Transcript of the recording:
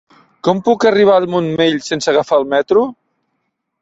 Com puc arribar al Montmell sense agafar el metro?